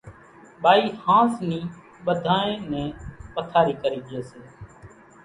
ٻائِي ۿانز نِي ٻڌانئين نين پٿارِي ڪرِي ڄيَ سي۔